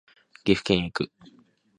岐阜県へ行く